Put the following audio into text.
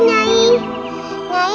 nyai baik sekali